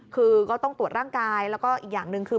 คือก็ต้องตรวจร่างกายแล้วก็อีกอย่างหนึ่งคือ